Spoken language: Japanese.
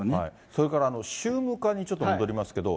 それから、宗務課にちょっと戻りますけど。